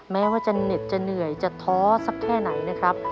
แม้ว่าจะเหน็ดจะเหนื่อยจะท้อสักแค่ไหนนะครับ